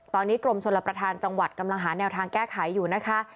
ตอนนี้กรมชลประธานจังหวัดกำลังหาแนวทางแก้ไขอยู่นะคะ